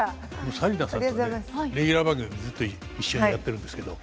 紗理奈さんとねレギュラー番組ずっと一緒にやってるんですけど。